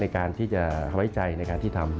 ในการที่จะทำให้ใจในการที่ทำ